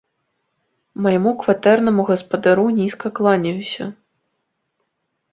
Майму кватэрнаму гаспадару нізка кланяюся!